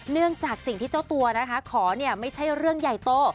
จากสิ่งที่เจ้าตัวนะคะขอไม่ใช่เรื่องใหญ่โต